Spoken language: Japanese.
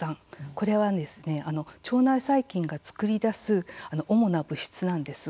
これは腸内細菌が作り出す主な物質なんですが。